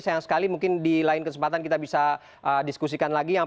sayang sekali mungkin di lain kesempatan kita bisa diskusikan lagi